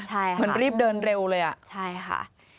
เหมือนรีบเดินเร็วเลยอ่ะใช่ค่ะ